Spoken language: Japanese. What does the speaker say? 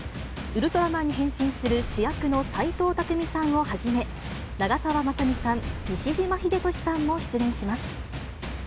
ウルトラマンに変身する主役の斎藤工さんをはじめ、長澤まさみさん、西島秀俊さんも出演します。